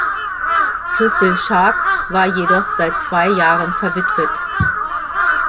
Christel Schaack war jedoch seit zwei Jahren verwitwet.